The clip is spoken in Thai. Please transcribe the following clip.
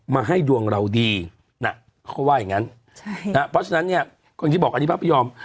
มาให้ดวงเราดีเขาว่าอย่างนั้นเพราะฉะนั้นคนที่บอกอดีภาพประยอม